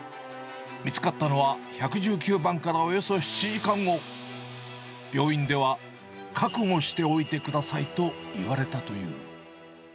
見つかったのは、１１９番からおよそ７時間後、病院では覚悟しておいてくださいと言われたという。